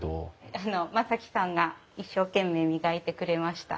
あの真己さんが一生懸命磨いてくれました。